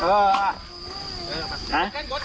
จะลุกลงกว่าเจ๊